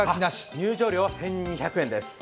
入場料は１２００円です。